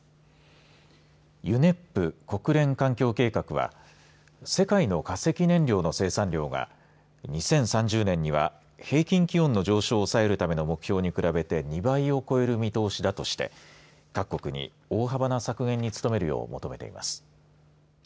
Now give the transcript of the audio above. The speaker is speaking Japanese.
ＵＮＥＰ、国連環境計画は世界の化石燃料の生産量が２０３０年には平均気温の上昇を抑えるための目標に比べて２倍を超える見通しだとして各国に大幅な削減に努めるよう求めています。